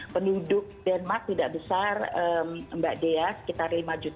penduduk denmark tidak besar mbak dia sekitar lima delapan ratus